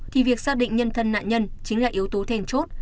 thì việc xác định nhân thân nạn nhân chính là yếu tố thèn chốt